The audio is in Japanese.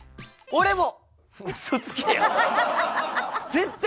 俺も！